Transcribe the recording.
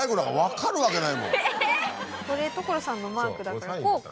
これ所さんのマークだからこうか。